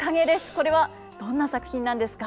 これはどんな作品なんですか？